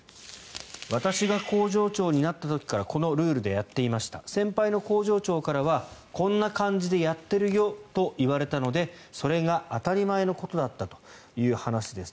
私が工場長になった時からこのルールでやっていました先輩の工場長からはこんな感じでやっているよと言われたのでそれが当たり前のことだったという話です。